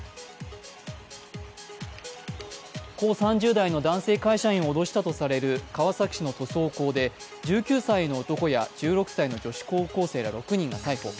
３０代の男性会社員を脅したとされる川崎市の塗装工で、１９歳の男や１６歳の女子高校生ら６人が逮捕。